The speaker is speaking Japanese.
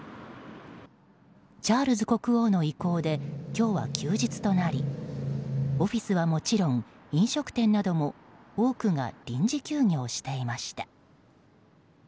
チャールズ国王の意向で今日は休日となりオフィスはもちろん飲食店なども多くが臨時休業していました。